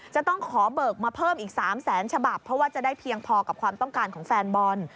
จะต้องขอเบิกมาเพิ่มอีก๓แสนฉบับเพราะว่าจะได้เพียงพอกับความต้องการของแฟนบอล